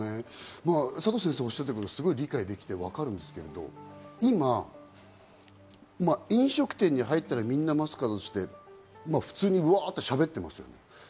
佐藤先生がおっしゃってることはすごく理解できるんですけど、今、飲食店に入ったら、みんなマスクを外して普通に、わっとしゃべってます。